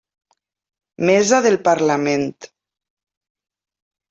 Mesa del Parlament.